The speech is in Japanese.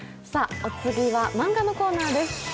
お次はマンガのコーナーです。